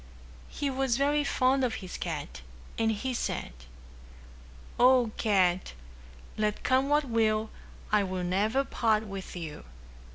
He was very fond of his cat, and he said, "O, Cat, let come what will, I'll never part with you.